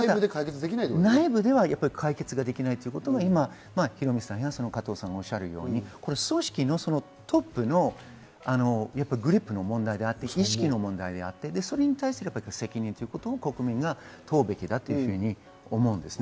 内部では解決できないということが今、ヒロミさんや加藤さんがおっしゃるように組織のトップのグループの問題であって、意識の問題であって、それに対する責任を国民が問うだと思います。